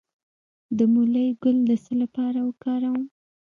د مولی ګل د څه لپاره وکاروم؟